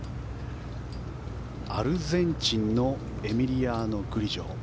アルゼンチンのエミリアノ・グリジョ。